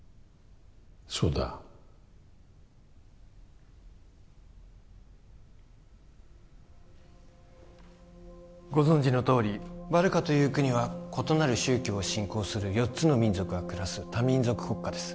そうだご存じのとおりバルカという国は異なる宗教を信仰する４つの民族が暮らす多民族国家です